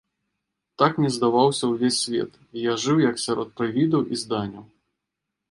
Так мне здаваўся ўвесь свет, і я жыў як сярод прывідаў і зданяў.